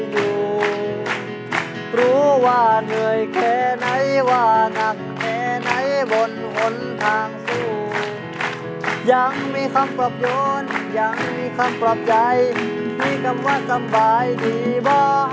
สวัสดีครับ